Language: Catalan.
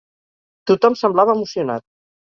Tothom semblava emocionat.